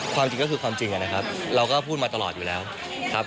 ความจริงก็คือความจริงนะครับเราก็พูดมาตลอดอยู่แล้วครับ